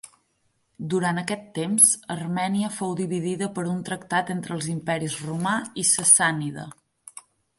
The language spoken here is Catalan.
Durant aquest temps, Armènia fou dividida per un tractat entre els imperis romà i sassànida.